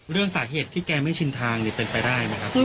เรื่องสาเหตุที่แกไม่ชินทางเป็นไปได้ไหมครับ